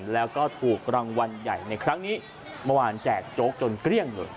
แล้วก็ถูกรางวัลใหญ่ในครั้งนี้เมื่อวานแจกโจ๊กจนเกลี้ยงเลย